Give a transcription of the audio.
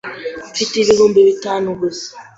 Mfite ibihumbi bitanu gusa.